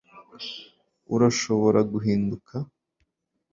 Urashobora guhinduka